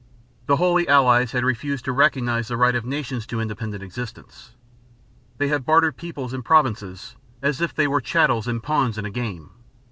The Holy Allies had refused to recognize the right of nations to independent existence. They had bartered peoples and provinces "as if they were chattels and pawns in a game."